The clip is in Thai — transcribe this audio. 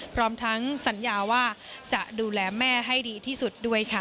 พร้อมทั้งสัญญาว่าจะดูแลแม่ให้ดีที่สุดด้วยค่ะ